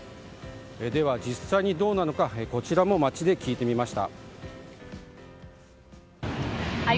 では実際、どうなのかこちらも街で聞いてみました。